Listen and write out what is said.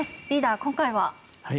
リーダー、今回は。